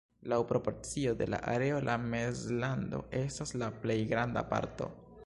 Laŭ proporcio de la areo la Mezlando estas la plej granda parto.